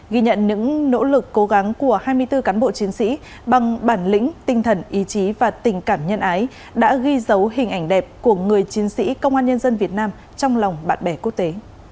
ghi nhận những nỗ lực cố gắng của hai mươi bốn cán bộ chiến sĩ bằng bản lĩnh tinh thần ý chí và tình cảm nhân ái đã ghi dấu hình ảnh đẹp của người chiến sĩ công an nhân dân việt nam trong lòng bạn bè quốc tế